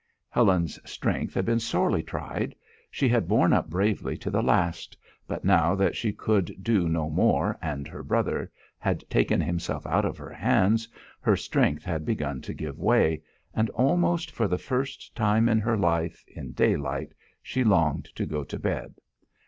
Helen's strength had been sorely tried: she had borne up bravely to the last; but now that she could do no more, and her brother had taken himself out of her hands, her strength had begun to give way, and, almost for the first time in her life, in daylight, she longed to go to bed.